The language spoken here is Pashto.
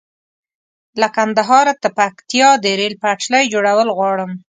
له کندهاره تر پکتيا د ريل پټلۍ جوړول غواړم